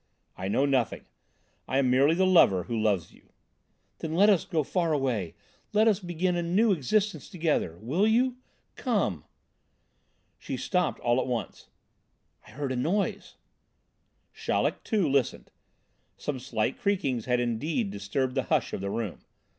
"I know nothing, I am merely the lover who loves you." "Then let us go far away. Let us begin a new existence together. Will you? Come!" She stopped all at once "I heard a noise." Chaleck, too, listened. Some slight creakings had, indeed, disturbed the hush of the room.